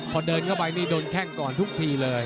พอเดินเข้าไปดูแข็งก่อนทุกที